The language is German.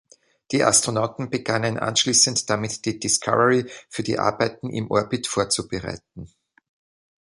Die Astronauten begannen anschließend damit, die Discovery für die Arbeiten im Orbit vorzubereiten.